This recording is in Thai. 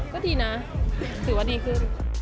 ก็ดีนะถือว่าดีขึ้น